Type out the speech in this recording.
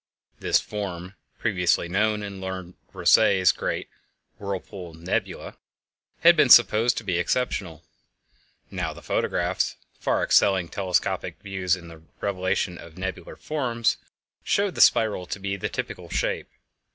This form, previously known in Lord Rosse's great "Whirlpool Nebula," had been supposed to be exceptional; now the photographs, far excelling telescopic views in the revelation of nebular forms, showed the spiral to be the typical shape.